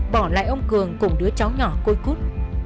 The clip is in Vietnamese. bỏ lại ông cường cùng đứa cháu nhỏ côi cút